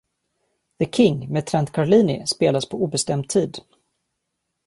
The King, med Trent Carlini, spelas på obestämd tid.